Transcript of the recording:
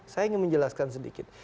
saya ingin menjelaskan sedikit